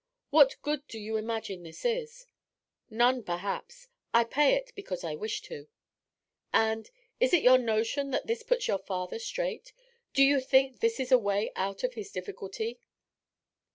'What good do you imagine this is?' 'None, perhaps. I pay it because I wish to.' 'And is it your notion that this puts your father straight? Do you think this is a way out of his difficulty?'